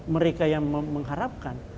mereka yang mengharapkan